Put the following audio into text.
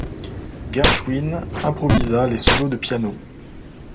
Gershwin improvisa les solos de piano.